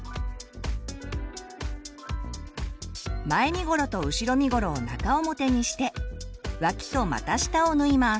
前身頃と後ろ身頃を中表にして脇と股下を縫います。